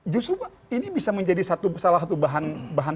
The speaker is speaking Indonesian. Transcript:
justru ini bisa menjadi salah satu bahan